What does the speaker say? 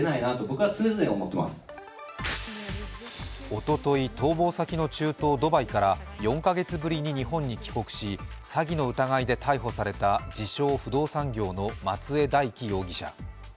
おととい、逃亡先の中東・ドバイから４カ月ぶりに日本に帰国し詐欺の疑いで逮捕された自称・不動産業の松江大樹容疑者。